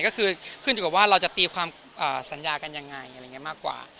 ก็คือการตีปว่าจะซัญญากันอย่างไรมากกว่า